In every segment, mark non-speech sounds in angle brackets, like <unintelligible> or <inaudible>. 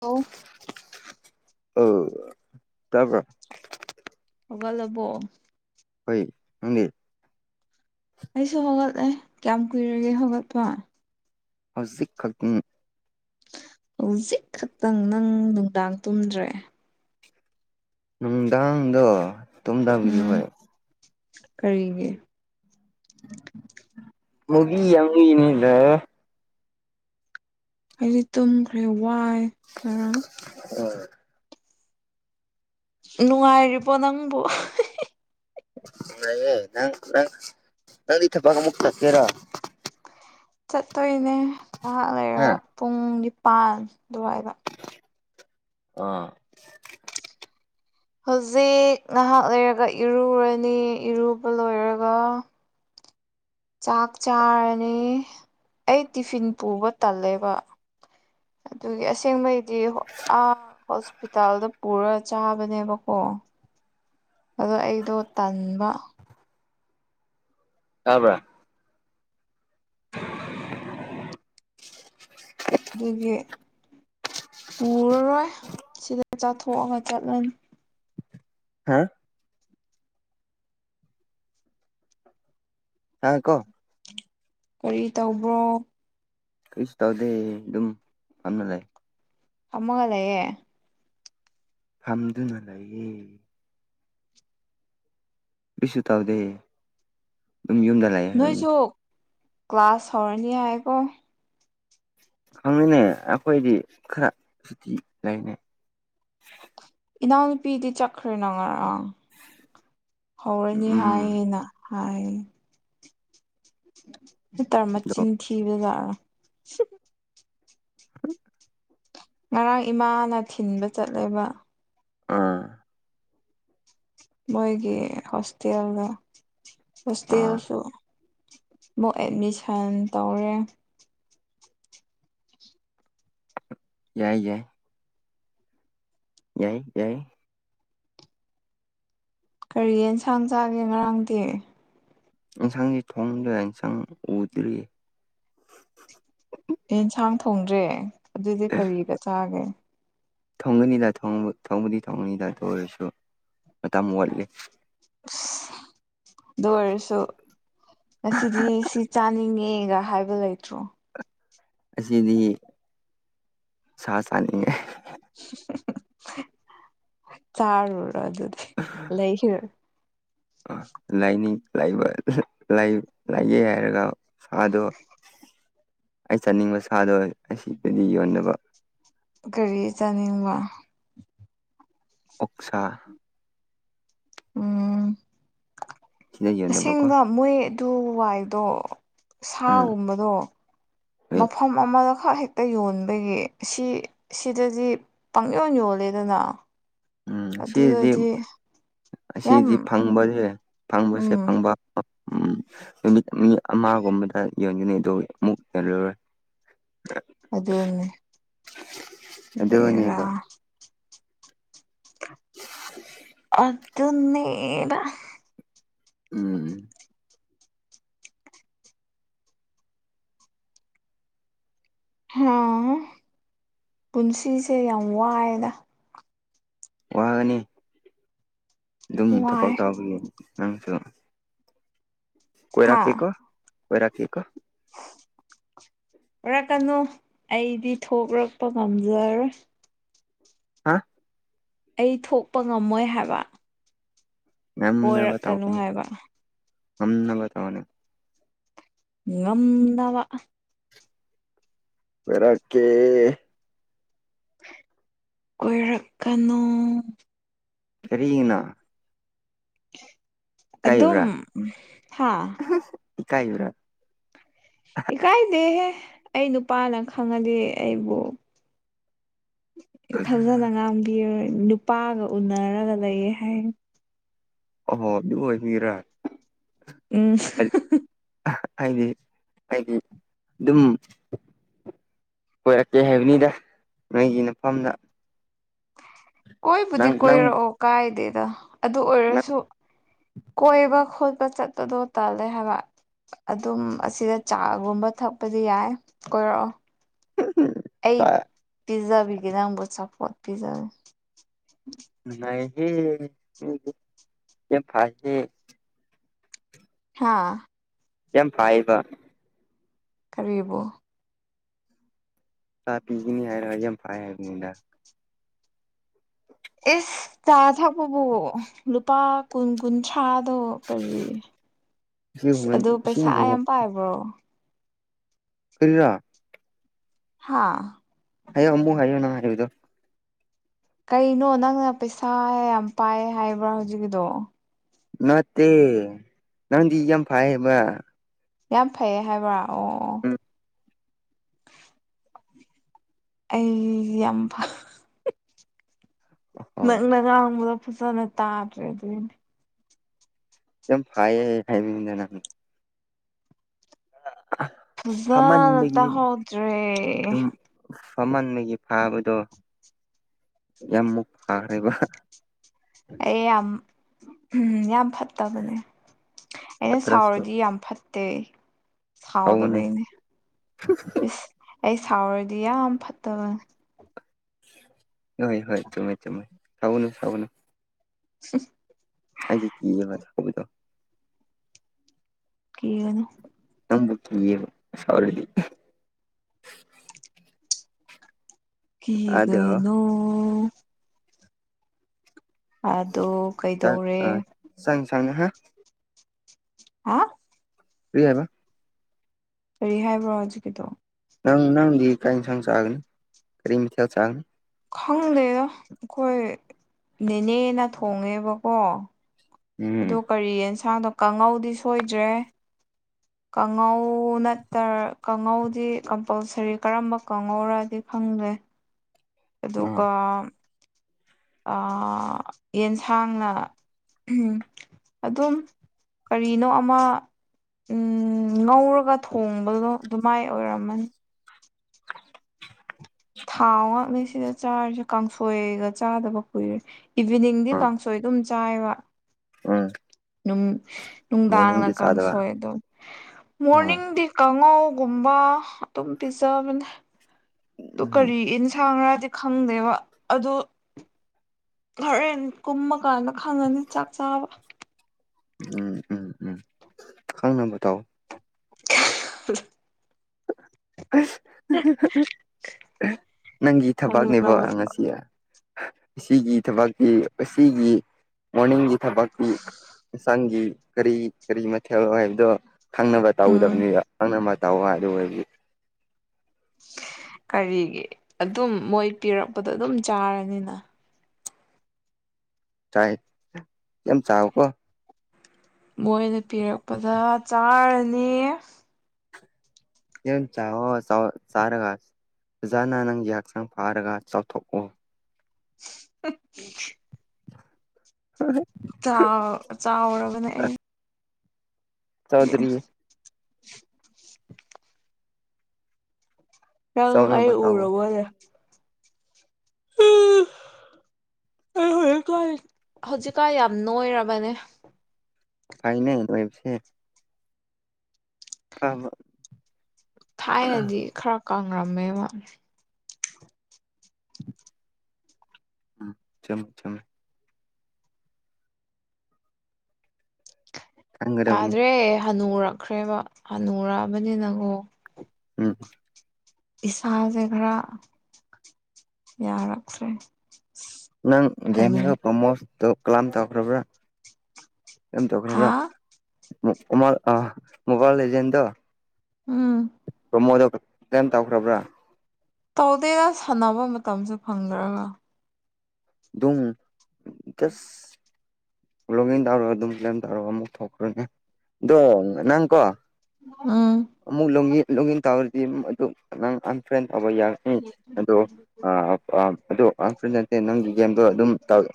ꯑꯣ ꯑꯣ ꯇꯥꯕ꯭ꯔ ꯍꯩꯒꯠꯂꯕꯣ ꯍꯣꯢ ꯅꯪꯗꯤ ꯑꯩꯁꯨ ꯍꯧꯒꯠꯂꯦ ꯀ꯭ꯌꯥꯝ ꯀꯨꯢꯔꯒꯦ ꯍꯧꯒꯠꯄ ꯍꯧꯖꯤꯛ ꯈꯛꯇꯪ ꯍꯧꯖꯤꯛ ꯈꯛꯇꯪ ꯅꯪ ꯅꯨꯡꯗꯥꯡ ꯇꯨꯝꯗ꯭ꯔꯦ ꯎꯝ <unintelligible> ꯀꯔꯤꯒꯤ ꯃꯨꯒꯤ ꯌꯥꯝꯕꯤꯅꯤꯗꯌꯦ ꯑꯩꯗꯤ ꯇꯨꯝꯈ꯭ꯔꯦ ꯋꯥꯢ ꯉꯔꯥꯡ ꯍꯣꯢ ꯅꯨꯡꯉꯥꯢꯔꯤꯕꯣ ꯅꯪꯕꯨ ꯍꯤ ꯅꯨꯉꯥꯢꯌꯦ ꯅꯪ ꯅꯪ ꯅꯪꯗꯤ ꯊꯕꯛ ꯑꯃꯨꯛ ꯆꯠꯀꯦꯔꯥ ꯆꯠꯇꯣꯢꯅꯦ ꯉꯍꯥꯛ ꯂꯩꯔ ꯍꯥ ꯄꯨꯡ ꯅꯤꯄꯥꯟ ꯑꯗꯨꯋꯥꯢꯗ ꯑꯥ ꯍꯧꯖꯤꯛ ꯉꯍꯥꯛ ꯂꯩꯔꯒ ꯏꯔꯨꯔꯅꯤ ꯏꯔꯨꯕ ꯂꯣꯢꯔꯒ ꯆꯥꯛ ꯆꯥꯔꯅꯤ ꯑꯩ ꯇꯤꯐꯤꯟ ꯄꯨꯕ ꯇꯜꯂꯦꯕ ꯑꯗꯨꯒꯤ ꯑꯁꯦꯡꯕꯩꯗꯤ ꯍꯣ ꯑꯥ ꯍꯣꯁꯄꯤꯇꯥꯜꯗ ꯄꯨꯔ ꯆꯥꯕꯅꯦꯕꯀꯣ ꯑꯗꯣ ꯑꯩꯗꯣ ꯇꯟꯕ ꯇꯥꯕ꯭ꯔ <inaudible> <inaudible> ꯗꯨꯒꯤ ꯄꯨꯔꯔꯣꯢ ꯁꯤꯗ ꯆꯥꯊꯣꯛꯑꯒ ꯆꯠꯂꯅꯤ ꯍꯥ ꯍꯥꯡ ꯀꯣ ꯀꯔꯤ ꯇꯧꯕ꯭ꯔꯣ ꯀꯩꯁꯨ ꯇꯧꯗꯦ ꯑꯗꯨꯝ ꯐꯝꯔ ꯂꯩ ꯐꯝꯃꯒ ꯂꯩꯌꯦ ꯐꯝꯗꯨꯅ ꯂꯩꯌꯦ ꯀꯩꯁꯨ ꯇꯧꯗꯦ ꯑꯗꯨꯝ ꯌꯨꯝꯗ ꯂꯩ ꯍꯥꯏꯕꯅꯤ ꯅꯣꯢꯁꯨ ꯀ꯭ꯂꯥꯁ ꯍꯧꯔꯅꯤ ꯍꯥꯢꯀꯣ ꯈꯪꯗꯦꯅꯦ ꯑꯩꯈꯣꯢꯗꯤ ꯈꯔ ꯁꯨꯇꯤ ꯂꯩꯅꯩ ꯏꯅꯥꯎꯅꯨꯄꯤꯗꯤ ꯆꯠꯈ꯭ꯔꯦꯅ ꯉꯔꯥꯡ ꯍꯧꯔꯅꯤ ꯎꯝ ꯍꯥꯢꯌꯦꯅ ꯍꯥꯢ ꯅꯠꯇ꯭ꯔ ꯑꯗꯣ ꯃꯆꯤꯟ ꯊꯕꯖꯥꯔ ꯉꯔꯥꯡ ꯏꯃꯥꯅ ꯊꯤꯟꯕ ꯆꯠꯂꯦꯕ ꯑꯥ ꯃꯣꯢꯒꯤ ꯍꯣꯁꯇꯦꯜꯗ ꯑꯥ ꯍꯣꯁꯇꯦꯜꯁꯨ ꯃꯨꯛ ꯑꯦꯗꯃꯤꯁꯟ ꯇꯧꯔꯦ ꯌꯥꯢ ꯌꯥꯢ ꯌꯥꯢ ꯌꯥꯢ ꯀꯔꯤ ꯌꯦꯟꯁꯥꯡ ꯆꯥꯒꯦ ꯉꯔꯥꯡꯗꯤ ꯌꯦꯟꯁꯥꯡꯗꯤ ꯊꯣꯡꯗ꯭ꯔꯦ ꯌꯦꯟꯁꯥꯡ ꯎꯗ꯭ꯔꯤ ꯑꯦꯟꯁꯥꯡ ꯊꯣꯡꯗ꯭ꯔꯦ ꯑꯗꯨꯗꯤ ꯀꯔꯤꯒ ꯆꯥꯒꯦ ꯊꯣꯡꯒꯅꯤꯗ ꯊꯣꯡꯕ ꯊꯣꯡꯕꯕꯨꯗꯤ ꯊꯣꯡꯒꯅꯤꯗ ꯑꯗꯨ ꯑꯣꯏꯔꯁꯨ ꯃꯇꯝ ꯋꯥꯠꯂꯤ ꯑꯗꯨꯑꯣꯢꯔꯁꯨ ꯉꯁꯤꯗꯤ ꯁꯤ ꯆꯥꯅꯤꯡꯉꯦꯒ ꯍꯥꯏꯕ ꯂꯩꯇ꯭ꯔꯣ ꯑꯁꯤꯗꯤ ꯁꯥ ꯁꯥꯅꯤꯡꯉꯦ ꯆꯥꯔꯨꯔꯣ ꯑꯗꯨꯗꯤ ꯂꯩꯔꯒ ꯂꯩꯅꯤꯡ ꯂꯩꯕ ꯂꯩ ꯂꯩꯌꯦ ꯍꯥꯏꯔꯒ ꯁꯥꯗꯣ ꯑꯩ ꯆꯥꯅꯤꯡꯕ ꯁꯥꯗꯣ ꯑꯁꯤꯗꯗꯤ ꯌꯣꯟꯗꯕ ꯀꯔꯤ ꯆꯥꯅꯤꯡꯕ ꯑꯣꯛꯁꯥ ꯎꯝ ꯁꯤꯗ ꯌꯣꯟꯅꯕꯀꯣ ꯑꯁꯦꯡꯕ ꯃꯣꯏ ꯑꯗꯨ ꯋꯥꯏꯗꯣ ꯎꯝ ꯁꯥꯒꯨꯝꯕꯗꯣ ꯃꯐꯝ ꯑꯃꯗ ꯈꯛ ꯍꯦꯛ ꯑꯩ ꯌꯣꯟꯕꯒꯤ ꯁꯤ ꯁꯤꯗꯗꯤ ꯄꯪꯌꯣꯟ ꯌꯣꯜꯂꯦꯗꯅ ꯎꯝ ꯁꯤꯗꯗꯤ ꯑꯗꯨꯗꯗꯤ ꯌꯥꯝ ꯑꯁꯤꯗꯤ ꯐꯪꯕꯁꯦ ꯐꯪꯕꯁꯦ ꯎꯝ ꯐꯪꯕ ꯎꯝ ꯅꯨꯃꯤꯠ ꯃꯤ ꯑꯃꯒꯨꯝꯕꯗ ꯌꯣꯟꯒꯅꯤ ꯑꯗꯨ ꯑꯃꯨꯛ ꯌꯣꯜꯂꯔꯣꯏ <inaudible> ꯑꯗꯨꯅꯦ ꯕꯦꯔꯥ ꯑꯗꯨꯅꯦꯕ ꯑꯗꯨꯅꯦꯗ ꯎꯝ ꯍꯥ ꯄꯨꯟꯁꯤꯁꯦ ꯌꯥꯝ ꯋꯥꯏꯌꯦꯗ ꯋꯥꯒꯅꯤ ꯑꯗꯨꯝ ꯋꯥꯏ ꯊꯕꯛ ꯇꯧꯕꯒꯤ ꯅꯪꯁꯨ ꯍꯥ ꯀꯣꯏꯔꯛꯀꯦꯀꯣ ꯀꯣꯏꯔꯛꯀꯦꯀꯣ ꯑꯣꯏꯔꯛꯀꯅꯨ ꯑꯩꯗꯤ ꯊꯣꯛꯔꯛꯄ ꯉꯝꯖꯔꯣꯏ ꯍꯥ ꯑꯩ ꯊꯣꯛꯄ ꯉꯝꯃꯣꯏ ꯍꯥꯏꯕ ꯉꯝꯅꯕ ꯀꯣꯏꯔꯛꯀꯅꯨ ꯇꯧꯋꯣ ꯍꯥꯏꯕ ꯉꯝꯅꯕ ꯇꯧꯅꯤ ꯉꯝꯗꯕ ꯀꯣꯢꯔꯛꯀꯦ ꯀꯣꯏꯔꯛꯀꯅꯣ ꯀꯔꯤꯒꯤꯅꯣ ꯑꯗꯨꯝ ꯏꯀꯥꯏꯕ꯭ꯔꯥ ꯍꯥꯥ ꯏꯀꯥꯢꯕ꯭ꯔꯣ ꯏꯀꯥꯏꯗꯦꯍꯦ ꯑꯩ ꯅꯨꯄꯥꯅ ꯈꯪꯉꯗꯤ ꯑꯩꯕꯨ ꯐꯖꯅ ꯉꯥꯥꯡꯕꯤꯔꯣꯢ ꯅꯨꯄꯥꯒ ꯎꯅꯔꯒ ꯂꯩꯌꯦ ꯍꯥꯏꯅꯤ ꯑꯍꯣ ꯑꯗꯨ ꯑꯣꯏꯕꯒꯤꯔꯥ ꯎꯝ ꯑꯩꯗꯤ ꯑꯩꯗꯤ ꯗꯨꯝ ꯀꯣꯏꯔꯛꯀꯦ ꯍꯥꯏꯕꯅꯤꯗ ꯅꯣꯏꯒꯤ ꯅꯐꯝꯗ ꯀꯣꯏꯕꯨꯗꯤ ꯅꯪ ꯅꯪ ꯀꯣꯏꯔꯛꯑꯣ ꯀꯥꯏꯗꯦꯗ ꯑꯗꯨ ꯅꯪ ꯑꯣꯏꯔꯁꯨ ꯀꯣꯏꯕ ꯈꯣꯠꯄ ꯆꯠꯄꯗꯣ ꯇꯜꯂꯦ ꯍꯥꯢꯕ ꯑꯗꯨꯝ ꯑꯁꯤꯗ ꯆꯥꯒꯨꯝꯕ ꯊꯛꯄꯗꯤ ꯌꯥꯏ ꯀꯣꯏꯔꯛꯑꯣ <inaudible> <inaudible> ꯑꯩꯞ ꯄꯤꯖꯕꯤꯒꯦ ꯅꯪꯕꯨ ꯆꯥꯄꯣꯠ ꯄꯤꯖꯒꯦ ꯅꯩꯍꯦ ꯃꯤꯗꯤ ꯌꯥꯝ ꯐꯥꯏꯍꯦ ꯍꯥꯥ ꯌꯥꯝ ꯐꯥꯌꯦꯕ ꯀꯔꯤꯕꯨ ꯆꯥ ꯄꯤꯒꯤꯅꯤ ꯍꯥꯏꯔꯒ ꯌꯥꯝ ꯐꯥꯌꯦ ꯍꯥꯏꯕꯅꯤꯗ <unintelligible> ꯏꯁ ꯆꯥ ꯊꯛꯄꯕꯨ ꯂꯨꯄꯥ ꯀꯨꯟ ꯀꯨꯟꯊ꯭ꯔꯥꯗꯣ ꯀꯔꯤ ꯁꯤ ꯑꯗꯨ ꯁꯤ ꯄꯩꯁꯥ ꯌꯥꯝ ꯄꯥꯏꯕ꯭ꯔꯣ ꯀꯔꯤꯔꯥ ꯍꯥꯥ ꯍꯥꯏꯌꯣ ꯑꯃꯨꯛ ꯍꯥꯏꯌꯣ ꯅꯪ ꯍꯥꯏꯕꯗꯣ ꯀꯩꯅꯣ ꯅꯪꯅ ꯄꯩꯁꯥ ꯌꯥꯝ ꯄꯥꯏ ꯍꯥꯏꯕ꯭ꯔꯥ ꯍꯧꯖꯤꯛꯒꯤꯗꯣ ꯅꯠꯇꯦ ꯅꯪꯗꯤ ꯌꯥꯝ ꯐꯥꯏ ꯍꯥꯏꯕ ꯌꯥꯝ ꯐꯩꯌꯦ ꯍꯥꯏꯕ꯭ꯔꯥ ꯑꯣ ꯑꯣ <unintelligible> ꯑꯩꯖꯤ ꯌꯥꯝ ꯐꯥ ꯑꯣ ꯅꯪꯅ ꯉꯥꯡꯕꯗ ꯐꯖꯅ ꯇꯥꯗ꯭ꯔꯦ ꯑꯗꯨꯏꯅꯦ ꯌꯥꯝ ꯐꯥꯏꯌꯦ ꯍꯥꯢ <unintelligible> ꯑ ꯐꯖꯅ ꯇꯥꯍꯧꯗ꯭ꯔꯦ ꯐꯃꯟꯕꯒꯤ ꯐꯥꯕꯗꯣ ꯌꯥꯝꯃꯨꯛ ꯐꯥꯈ꯭ꯔꯦꯕ ꯑꯩ ꯌꯥꯝ ꯌꯥꯝ ꯐꯠꯇꯕꯅꯦ ꯑꯩꯅ ꯐꯠꯇ꯭ꯔꯁꯨ ꯁꯥꯎꯔꯗꯤ ꯌꯥꯝ ꯐꯠꯇꯦ ꯁꯥꯎꯒꯅꯤ ꯁꯥꯎꯗꯕꯩꯅꯦ ꯏꯁ ꯑꯩ ꯁꯥꯎꯔꯗꯤ ꯌꯥꯝ ꯐꯠꯇꯕꯅꯦ ꯅꯣꯏ ꯍꯣꯏ ꯆꯨꯝꯃꯦ ꯆꯨꯝꯃꯦ ꯁꯥꯎꯒꯅꯨ ꯁꯥꯎꯒꯅꯨ <unintelligible> ꯑꯩꯗꯤ ꯀꯤꯌꯦꯕ ꯁꯥꯎꯕꯗꯣ ꯀꯤꯒꯅꯨ ꯅꯝꯕꯨ ꯀꯤꯌꯦꯕ ꯁꯥꯎꯔꯗꯤ ꯑꯗꯣ ꯀꯤꯒꯅꯣ ꯑꯥꯗꯣ ꯆꯥꯛ ꯀꯩꯗꯧꯔꯦ <unintelligible> ꯍꯥ ꯀ꯭ꯔꯤ ꯍꯥꯏꯕ ꯀꯔꯤ ꯍꯥꯏꯕ꯭ꯔꯣ ꯍꯧꯖꯤꯛꯀꯤꯗꯣ ꯅꯪ ꯅꯪꯗꯤ ꯀꯩ ꯏꯟꯁꯥꯡ ꯆꯥꯒꯅꯤ ꯀꯔꯤ ꯃꯊꯦꯜ ꯆꯥꯒꯅꯤ ꯈꯪꯗꯦꯗ ꯑꯈꯣꯏ ꯅꯦꯅꯦꯅ ꯊꯣꯡꯉꯦꯕꯀꯣ ꯑꯗꯣ ꯎꯝ ꯀꯔꯤ ꯌꯦꯟꯁꯥꯡꯗꯣ ꯀꯥꯉꯧꯗꯤ ꯁꯣꯏꯗ꯭ꯔꯦ ꯀꯥꯉꯧ ꯅꯠꯇꯔ ꯀꯥꯉꯧꯗꯤ ꯀꯝꯄꯜꯁꯔꯤ ꯀꯔꯝꯕ ꯀꯥꯉꯧꯔꯗꯤ ꯈꯪꯗ꯭ꯔꯦ ꯑ ꯑꯗꯨꯒ ꯑ ꯌꯦꯟꯁꯥꯡꯅ ꯑꯗꯨꯝ ꯀꯔꯤꯅꯣ ꯑꯃ ꯎꯝ ꯉꯧꯔꯒ ꯊꯣꯡꯕꯗꯣ ꯗꯨꯃꯥꯏ ꯑꯣꯏꯔꯝꯃꯅꯤ ꯊꯥꯎ ꯉꯥꯛꯅꯦ ꯁꯤꯗ ꯆꯥꯔꯤꯁꯦ ꯀꯥꯡꯁꯣꯏꯒ ꯆꯥꯗꯕ ꯀꯨꯏꯔꯦ ꯏꯚꯤꯅꯤꯡꯗꯤ ꯑ ꯀꯥꯡꯁꯣꯏ ꯑꯗꯨꯝ ꯆꯥꯏꯕ ꯎꯝ ꯅꯨꯡ ꯅꯨꯡꯗꯥꯡꯅ ꯃꯣꯔꯅꯤꯡꯒꯤ ꯆꯥꯗꯕ ꯀꯥꯡꯁꯣꯏ ꯑꯗꯨꯝ ꯑ ꯎꯝ ꯃꯣꯔꯅꯤꯡꯗꯤ ꯀꯥꯡꯉꯧꯒꯨꯝꯕ ꯑꯗꯨꯝ ꯄꯤꯖꯕꯅꯦ ꯇꯣ ꯎꯝ ꯀꯔꯤ ꯏꯟꯁꯥꯥꯡꯔꯗꯤ ꯈꯪꯗꯦꯕ ꯑꯗꯣ ꯍꯣꯔꯦꯟ ꯀꯨꯝꯃ ꯀꯥꯟꯗ ꯈꯪꯉꯅꯤ ꯆꯥꯛ ꯆꯥꯕ ꯎꯝ ꯎꯝ ꯎꯝ ꯈꯪꯅꯕ ꯇꯧ <inaudible> ꯅꯪꯒꯤ ꯊꯕꯛꯅꯦꯕ ꯈꯪꯅꯕ ꯑ ꯉꯁꯤ ꯁꯤꯒꯤ ꯊꯕꯛꯀꯤ ꯑꯁꯤꯒꯤ ꯃꯣꯔꯅꯤꯡꯒꯤ ꯊꯕꯛꯀꯤ ꯏꯟꯁꯥꯡꯒꯤ ꯀꯔꯤ ꯀꯔꯤ ꯃꯊꯦꯜ ꯍꯥꯏꯕꯗꯣ ꯈꯪꯅꯕ ꯎꯝ ꯇꯧꯗꯕꯅꯤꯗ ꯈꯪꯅꯕ ꯇꯧ ꯑꯗꯨ ꯑꯣꯏꯔꯗꯤ ꯀꯔꯤꯒꯤ ꯑꯗꯨꯝ ꯃꯣꯏ ꯄꯤꯔꯛꯄꯗꯣ ꯑꯗꯨꯝ ꯆꯥꯔꯅꯤꯅ ꯆꯥꯏ ꯌꯥꯝ ꯆꯥꯎ ꯀꯣ ꯃꯣꯏꯅ ꯄꯤꯔꯛꯄꯗ ꯆꯥꯔꯅꯤ ꯌꯦꯟ ꯆꯥꯋꯣ ꯆꯥꯔꯒ ꯑꯣꯖꯥꯅ ꯅꯪꯒꯤ ꯍꯛꯆꯥꯡ ꯐꯥꯔꯒ ꯆꯥꯎꯊꯣꯛꯑꯣ <unintelligible> ꯍꯣ ꯍꯣꯏ ꯆꯥꯎ ꯆꯥꯎꯔꯕꯅꯦ ꯑꯩ ꯆꯥꯎꯗ꯭ꯔꯤ ꯅꯪ ꯑꯩ ꯆꯥꯎꯅꯕ ꯇꯧ ꯎꯔꯕꯣꯢꯔꯦ ꯑꯩ ꯍꯧꯖꯤꯛꯀꯥꯟ ꯍꯧꯖꯤꯛꯀꯥꯟ ꯌꯥꯝ ꯅꯣꯏꯔꯕꯅꯦ ꯐꯩꯅꯦ ꯅꯣꯢꯕꯁꯦ <unintelligible> ꯊꯥꯏꯅꯗꯤ ꯈꯔ ꯀꯪꯔꯝꯃꯦꯕ ꯎꯝ ꯆꯨꯝꯃꯦ ꯆꯨꯝꯃꯦ ꯈꯪꯒꯗꯕꯅꯤ ꯌꯥꯗ꯭ꯔꯦ ꯍꯅꯨꯔꯛꯈ꯭ꯔꯦꯕ ꯍꯅꯨꯔꯛꯑꯕꯅꯤꯅ ꯀꯣ ꯎꯝ ꯏꯁꯥꯖꯦ ꯈꯔ ꯌꯥꯔꯛꯇ꯭ꯔꯦ ꯅꯪ ꯍꯅꯨ ꯒꯦꯝꯗ ꯄ꯭ꯔꯣꯃꯣꯠ ꯇꯣ ꯀ꯭ꯂꯥꯝ ꯇꯧꯈ꯭ꯔꯕ꯭ꯔꯥ ꯀꯔꯝ ꯍꯥ ꯇꯧꯈ꯭ꯔꯕ꯭ꯔꯥ ꯃꯣꯕꯥꯢꯜ ꯂꯦꯖꯦꯟꯗꯣ ꯎꯝ <unintelligible> <unintelligible> ꯇꯧꯈ꯭ꯔꯕ꯭ꯔꯥ ꯇꯧꯗꯦꯗ ꯁꯥꯟꯅꯕ ꯃꯇꯝꯁꯨ ꯐꯪꯗ꯭ꯔꯒ ꯗꯨꯡ ꯇꯁ ꯔꯣꯃꯦꯟ ꯇꯧꯔ ꯑꯗꯨꯝ ꯅꯪ ꯇꯧꯔ ꯑꯃꯨꯛ ꯊꯣꯛꯈ꯭ꯔꯅꯦ ꯑꯗꯣ ꯅꯪ ꯀꯣ ꯎꯝ ꯑꯃꯨꯛ ꯂꯣꯛ ꯏꯟ ꯂꯣꯛ ꯢꯟ ꯇꯧꯔꯗꯤ ꯑꯗꯨ ꯅꯪ ꯑꯟꯐ꯭ꯔꯦꯟ ꯇꯧꯕ ꯌꯥꯒꯅꯤ ꯑꯗꯣ ꯑꯥ ꯑꯗꯨ <unintelligible> ꯅꯪꯒꯤ ꯒꯦꯝꯗꯣ ꯑꯗꯨꯝ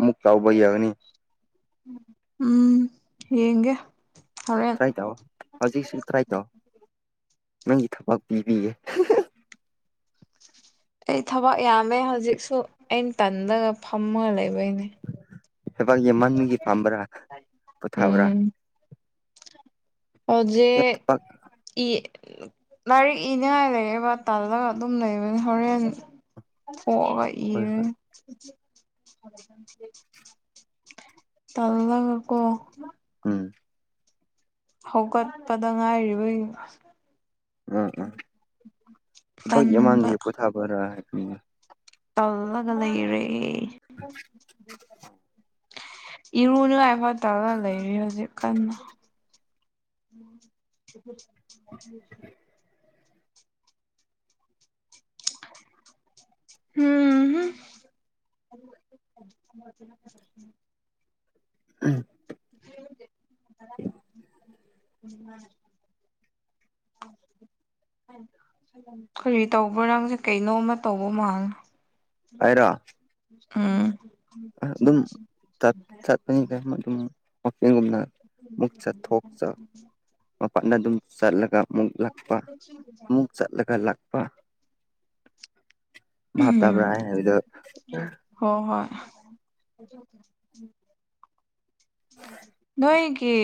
ꯑꯃꯨꯛ ꯇꯧꯕ ꯌꯥꯒꯅꯤ ꯎꯝ ꯌꯦꯡꯒꯦ ꯍꯧꯔꯦꯟ ꯇ꯭ꯔꯥꯏ ꯇꯧ ꯍꯧꯖꯤꯛꯁꯨ ꯇ꯭ꯔꯥꯏ ꯇꯧ ꯅꯪꯒꯤ ꯊꯕꯛ ꯄꯤꯕꯤꯒꯦ ꯑꯩ ꯊꯕꯛ ꯌꯥꯝꯃꯦ ꯍꯧꯖꯤꯛꯁꯨ ꯑꯩꯅ ꯇꯟꯂꯒ ꯐꯝꯃꯒ ꯂꯩꯕꯩꯅꯦ ꯊꯕꯛ ꯌꯥꯝꯃꯟꯕꯒꯤ ꯐꯝꯕꯔ ꯄꯣꯊꯥꯕ꯭ꯔꯥ ꯎꯝ ꯍꯧꯖꯤꯛ ꯊꯕꯛ ꯏ ꯂꯥꯏꯔꯤꯛ ꯏꯅꯤꯡꯉꯥꯏ ꯂꯩꯑꯦꯕ ꯇꯜꯂꯒ ꯑꯗꯨꯝ ꯂꯩꯕꯅꯤ ꯍꯣꯔꯦꯟ ꯊꯣꯛꯑꯒ ꯍꯣꯏ ꯏꯔꯟ ꯍꯣꯏ ꯇꯜꯂꯒ ꯀꯣ ꯎꯝ ꯍꯧꯒꯠꯄꯗ ꯉꯥꯢꯔꯤꯕꯩ ꯇꯟꯕ <unintelligible> ꯇꯜꯂꯒ ꯂꯩꯔꯦ ꯏꯔꯨꯅꯨ ꯅꯤꯡꯉꯥꯢ ꯐꯠ ꯇꯧꯔ ꯂꯩꯔꯦ ꯍꯧꯖꯤꯛ ꯀꯟꯅ <inaudible> ꯍꯨꯝ <unintelligible> ꯎꯝ <unintelligible> <unintelligible> ꯀꯔꯤ ꯇꯧꯕ꯭ꯔ ꯅꯪꯁꯦ ꯀꯩꯅꯣꯝꯃ ꯇꯧꯕ ꯃꯥꯂꯦ ꯑꯩꯔꯣ ꯎꯝ ꯑꯥ ꯑꯗꯨꯝ <unintelligible> ꯃꯄꯥꯟꯗ ꯑꯗꯨꯝ ꯆꯠꯂꯒ ꯑꯃꯨꯛ ꯂꯥꯛꯄ ꯑꯃꯨꯛ ꯆꯠꯂꯒ ꯂꯥꯛꯄ ꯚꯥꯞ ꯇꯥꯕ꯭ꯔꯥ ꯑꯩ ꯍꯥꯢꯗꯣ ꯍꯣ ꯍꯣꯢ ꯅꯣꯢꯒꯤ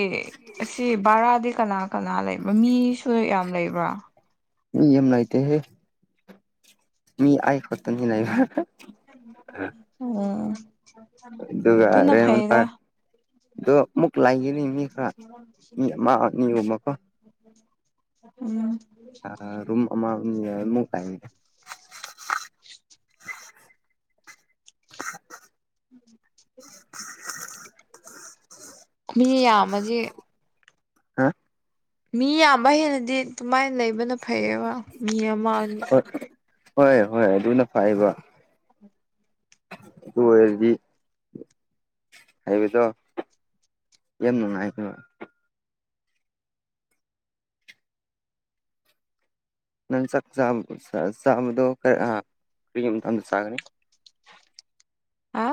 ꯑꯁꯤ ꯕꯔꯥꯗꯤ ꯀꯅꯥ ꯀꯅꯥ ꯂꯩꯕ ꯃꯤꯁꯨ ꯌꯥꯝ ꯂꯩꯕ꯭ꯔꯥ ꯃꯤ ꯌꯥꯝ ꯂꯩꯇꯦꯍꯦ ꯃꯤ ꯑꯩꯈꯛꯇꯌꯤ ꯂꯩꯕ ꯍ ꯍ ꯎꯝ <unintelligible> ꯑꯗꯣ ꯑꯃꯨꯛ ꯂꯩꯒꯅꯤ ꯃꯤ ꯈꯔ ꯃꯤ ꯑꯃ ꯑꯅꯤꯒꯨꯝꯕꯀꯣ ꯎꯝ <unintelligible> <inaudible> ꯃꯤ ꯌꯥꯝꯃꯖꯤ ꯍꯥ ꯃꯤ ꯌꯥꯝꯕ ꯍꯦꯟꯅꯗꯤ ꯑꯗꯨꯃꯥꯢꯅ ꯂꯩꯕꯅ ꯐꯩꯌꯦꯕ ꯃꯤ ꯑꯃ ꯑꯅꯤ ꯍꯣꯢ ꯍꯣꯢ ꯍꯣꯢ ꯑꯗꯨꯅ ꯐꯑꯦꯕ ꯑꯗꯨ ꯑꯣꯢꯔꯗꯤ ꯍꯩꯕꯗꯣ ꯌꯥꯝ ꯅꯨꯡꯉꯥꯢꯗꯣꯢꯕ ꯅꯪ ꯆꯥꯛ ꯆꯥꯕ ꯆꯥꯕꯗꯣ ꯀ ꯀꯔꯤꯌꯝ ꯊꯪ ꯆꯥꯒꯅꯤ ꯍꯥ